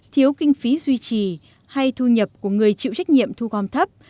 thiếu kinh phí duy trì hay thu nhập của người chịu trách nhiệm thu gom thấp